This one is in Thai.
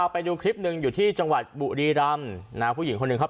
ไปดูคลิปหนึ่งอยู่ที่จังหวัดบุรีรำนะฮะผู้หญิงคนหนึ่งครับ